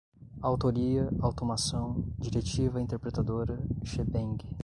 autoria, automação, diretiva interpretadora, shebang